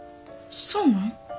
そうなん？